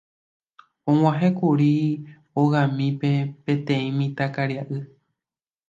Og̃uahẽkuri hogamíme peteĩ mitãkaria'y.